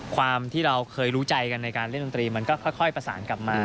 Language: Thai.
ความที่เราเคยรู้ใจกันในการเล่นดนตรีมันก็ค่อยประสานกลับมา